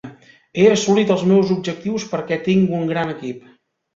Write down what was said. He assolit els meus objectius perquè tinc un gran equip.